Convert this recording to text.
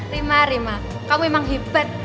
rima rima kamu memang hebat